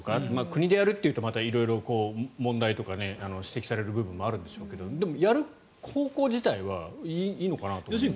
国でやるというとまた色々問題とか指摘される部分もあるんでしょうけどでもやる方向自体はいいのかなと思います。